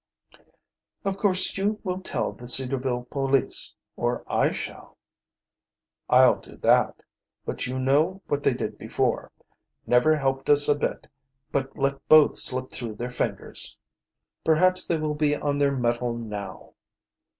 "Of course you will tell the Cedarville police or I shall." "I'll do that. But you know what they did before. Never helped us a bit, but let both slip through their fingers." "Perhaps they will be on their mettle now."